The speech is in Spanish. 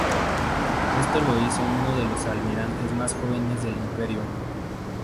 Esto lo hizo uno de los almirantes más jóvenes del Imperio.